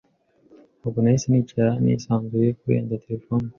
Ntabwo nahise nicara nisanzuye kurenza telefone.